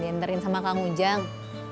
denterin sama kang ujang